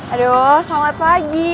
aduh selamat pagi